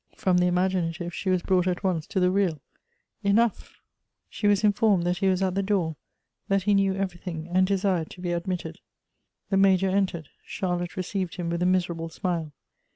From the imaginative she was brought at once to the real. Enough ! she was Elective Affinities. 283 informerl that he was at the door, that he knew every thing and desired to be admitted. The Major entered. Charlotte received him with a miserable smile.